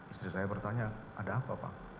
istri saya bertanya ada apa pak